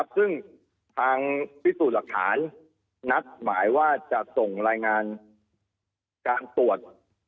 ซึ่งทางพิสูจน์หลักฐานนัดหมายว่าจะส่งรายงานการตรวจ